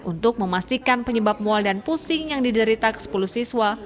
untuk memastikan penyebab mual dan pusing yang diderita ke sepuluh siswa